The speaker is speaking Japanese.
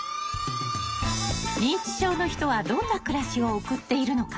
認知症の人はどんな暮らしを送っているのか。